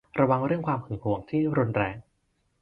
ระวังเรื่องความหึงหวงที่รุนแรง